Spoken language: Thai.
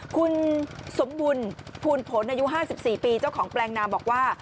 คุณสมบุญภูลผลอายุ๕๔ปีเจ้าของแปลงนามบอกว่า